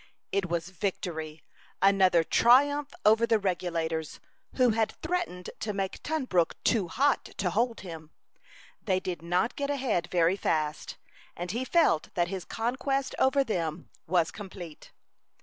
It was victory another triumph over the Regulators, who had threatened to make Tunbrook too hot to hold him. They did not get ahead very fast, and he felt that his conquest over them was complete.